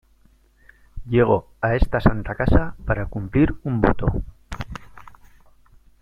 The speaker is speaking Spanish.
llego a esta santa casa para cumplir un voto.